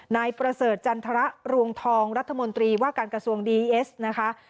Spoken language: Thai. นายประเสริฐจันทรรวงทองรัฐมนตรีว่าการกระทรวงดีเอสนะคะ